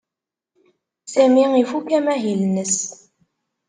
Sami ifuk amahil-nnes.